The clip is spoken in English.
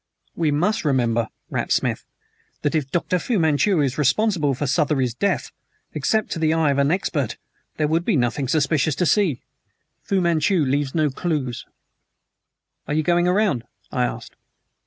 "We must remember," rapped Smith, "that, if Dr. Fu Manchu is responsible for Southery's death, except to the eye of an expert there would be nothing suspicious to see. Fu Manchu leaves no clews." "Are you going around?" I asked.